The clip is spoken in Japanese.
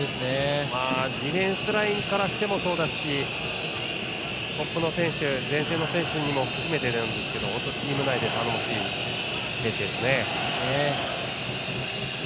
ディフェンスラインからしてもそうだしトップの選手前線の選手も含めてですけどチーム内で頼もしい選手ですね。